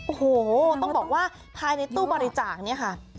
โอ้โหต้องบอกว่าภายในตู้บริจาคเนี่ยค่ะ